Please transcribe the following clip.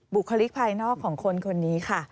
บุคลิกภายนอกของคนคนนี้ค่ะ